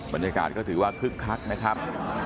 บรรยากาศก็ถือว่าคึกคักนะครับ